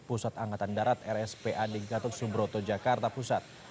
pusat angkatan darat rspa di gatot sumbroto jakarta pusat